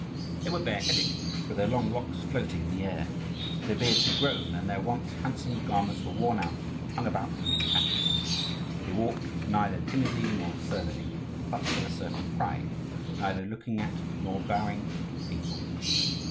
They were bare headed, with their long locks floating in the air. Their beards had grown, and their once handsome garments were worn out, and hung about them in tatters. They walked neither timidly nor surlily, but with a certain pride, neither looking at nor bowing to the people.